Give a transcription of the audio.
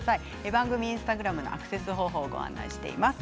番組インスタグラムのアクセス方法をご案内しています。